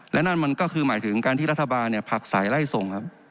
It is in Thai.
และนั่นมันก็คือหมายถึงการที่รัฐบาลผลักสายไล่ส่งครับ